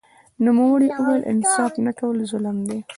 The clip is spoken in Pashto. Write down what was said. نوموړي وویل انصاف نه کول ظلم دی